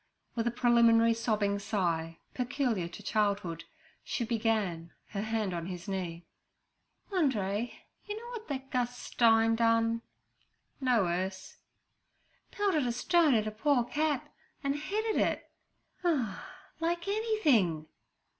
With a preliminary sobbing sigh, peculiar to childhood, she began, her hand on his knee: 'Andree, you know wot that Gus Stein done?' 'No, Urse.' 'Pelted a stone at a poor cat, and hitted it' 'like anything.'